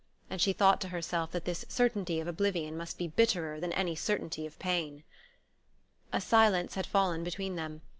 And she thought to herself that this certainty of oblivion must be bitterer than any certainty of pain. A silence had fallen between them.